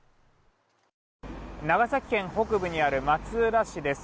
長崎県北部にある松浦市です。